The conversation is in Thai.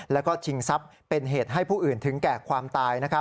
แล้วก็ชิงทรัพย์เป็นเหตุให้ผู้อื่นถึงแก่ความตาย